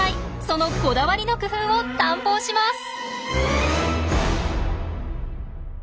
そのこだわりの工夫を探訪します。